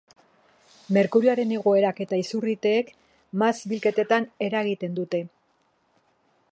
Merkurioaren igoerak eta izurriteek mahats-bilketetan eragiten dute.